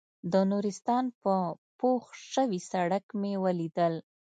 د نورستان په پوخ شوي سړک مې ولیدل.